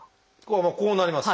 まあこうなります。